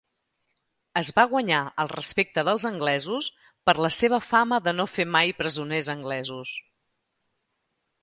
Es va guanyar el respecte dels anglesos per la seva fama de no fer mai presoners anglesos.